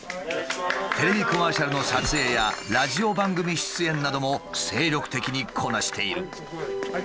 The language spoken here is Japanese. テレビコマーシャルの撮影やラジオ番組出演なども精力的にこなしている。